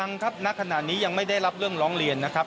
ยังครับณขณะนี้ยังไม่ได้รับเรื่องร้องเรียนนะครับ